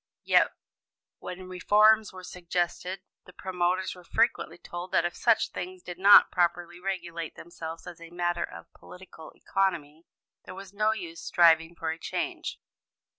Yet, when reforms were suggested, the promoters were frequently told that if such things did not properly regulate themselves as a matter of political economy, there was no use striving for a change.